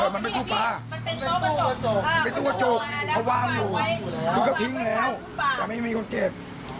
มันเป็นตู้กระจกเขาวางอยู่คือก็ทิ้งแล้วแต่ไม่มีคนเก็บ